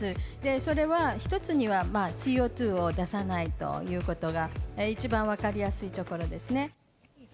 それは１つには、ＣＯ２を出さないということが一番分かりやすいところですね。